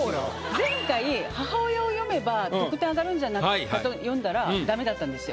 前回母親を詠めば得点上がるんじゃないかと詠んだらダメだったんですよ。